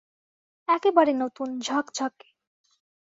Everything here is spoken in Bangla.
একেবারে নতুন, ঝকঝকে।